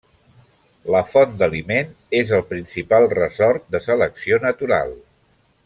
La font d'aliment és el principal ressort de selecció natural.